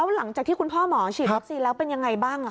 หลังจากที่คุณพ่อหมอฉีดวัคซีนแล้วเป็นยังไงบ้าง